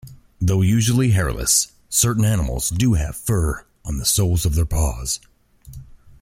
Though usually hairless, certain animals do have fur on the soles of their paws.